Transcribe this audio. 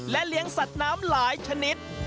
เลี้ยงสัตว์น้ำหลายชนิด